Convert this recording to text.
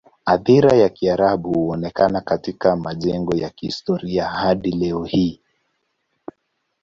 Athira ya Kiarabu huonekana katika majengo ya kihistoria hadi leo hii.